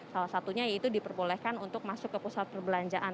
salah satunya yaitu diperbolehkan untuk masuk ke pusat perbelanjaan